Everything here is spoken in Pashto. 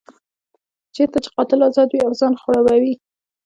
چېرته چې قاتل ازاد وي او ځان خړوبوي.